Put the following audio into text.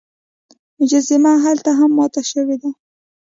مجسمه هلته هم ماته شوې وه.